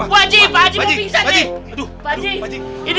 pak haji pak haji mau pingsan deh